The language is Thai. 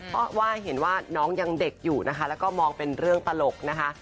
เพราะว่าเห็นว่าน้องยังเด็กอยู่นะคะแล้วก็มองเป็นเรื่องตลกนะคะ